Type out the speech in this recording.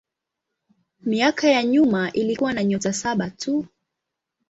Miaka ya nyuma ilikuwa na nyota saba tu.